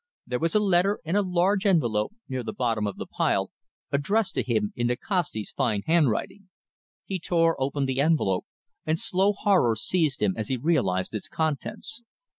There was a letter in a large envelope, near the bottom of the pile, addressed to him in Nikasti's fine handwriting. He tore open the envelope, and slow horror seized him as he realised its contents.